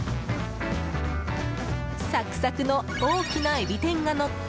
サクサクの大きなエビ天がのった